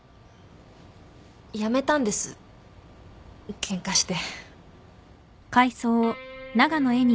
辞めたんですケンカして。